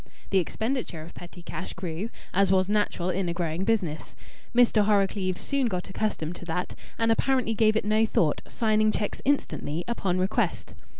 The expenditure of petty cash grew, as was natural in a growing business. Mr. Horrocleave soon got accustomed to that, and apparently gave it no thought, signing cheques instantly upon request.